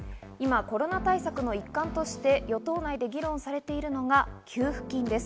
今コロナ対策の一環として与党内で議論されているのが給付金です。